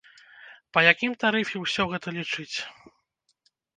Па якім тарыфе ўсё гэта лічыць?